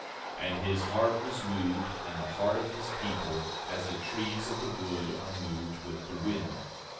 And his heart was moved, and the heart of his people, as the trees of the wood are moved with the wind.